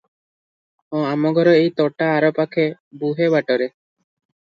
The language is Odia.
“ହଁ ଆମଘର ଏଇ ତୋଟା ଆରପାଖେ ବୁହେ ବାଟରେ' ।